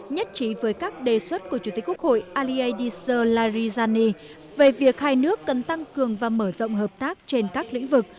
nhất trí với các đề xuất của chủ tịch quốc hội alie disur larijani về việc hai nước cần tăng cường và mở rộng hợp tác trên các lĩnh vực